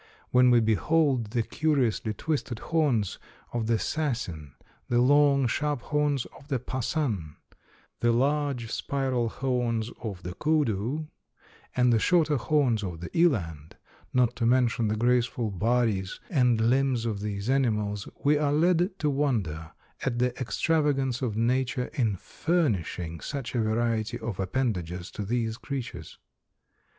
When we behold the curiously twisted horns of the sasin, the long, sharp horns of the pasan, the large, spiral horns of the koodoo and the shorter horns of the eland, not to mention the graceful bodies and limbs of these animals, we are led to wonder at the extravagance of nature in furnishing such a variety of appendages to these creatures.